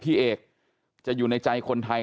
พี่เอกจะอยู่ในใจคนไทย